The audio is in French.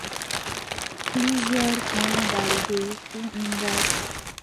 Plusieurs points d'Alger ont une gare.